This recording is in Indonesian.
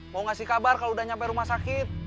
mau ngasih kabar kalau udah nyampe rumah sakit